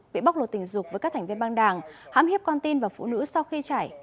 bị bóc lột tình dục với các thành viên băng đảng hãm hiếp con tin và phụ nữ sau khi chảy